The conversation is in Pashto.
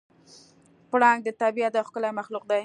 پړانګ د طبیعت یو ښکلی مخلوق دی.